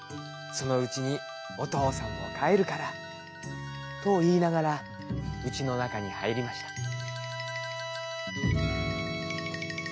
そのうちにおとうさんもかえるから」。といいながらうちのなかにはいりました。